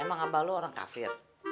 emang abah lu orang kafir